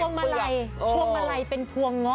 วงมาลัยพวงมาลัยเป็นพวงเงาะ